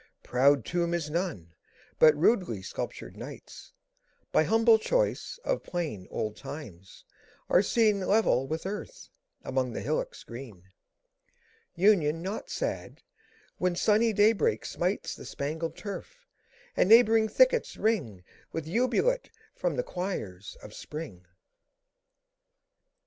Proud tomb is none; but rudely sculptured knights, By humble choice of plain old times, are seen 10 Level with earth, among the hillocks green: Union not sad, when sunny daybreak smites The spangled turf, and neighbouring thickets ring With jubilate from the choirs of spring!